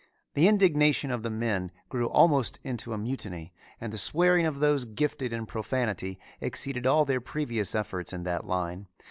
The indignation of the men grew almost into a mutiny and the swearing of those gifted in profanity exceeded all their previous efforts in that line.